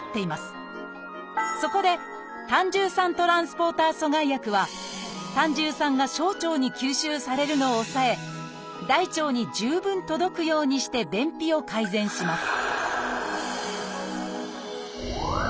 そこで「胆汁酸トランスポーター阻害薬」は胆汁酸が小腸に吸収されるのを抑え大腸に十分届くようにして便秘を改善します